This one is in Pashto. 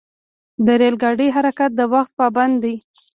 د ریل ګاډي حرکت د وخت پابند دی.